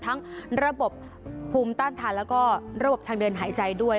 ทั้งระบบภูมิต้านทานแล้วก็ระบบทางเดินหายใจด้วย